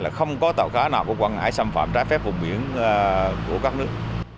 là không có tàu cá nào của quảng ngãi xâm phạm trái phép vùng biển của các nước